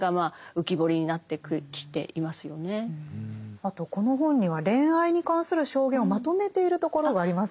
あとこの本には恋愛に関する証言をまとめているところがありますよね。